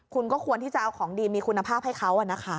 คุณก็ควรที่จะเอาของดีมีคุณภาพให้เขานะคะ